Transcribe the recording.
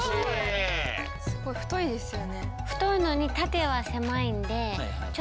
すごい太いですよね。